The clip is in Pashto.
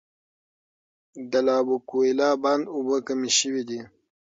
د لابوکویلا بند اوبه کمې شوي دي.